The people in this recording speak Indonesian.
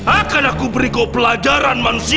akan aku beri kau pelajaran manusia